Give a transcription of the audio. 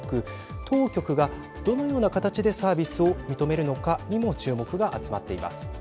当局がどのような形でサービスを認めるのかにも注目が集まっています。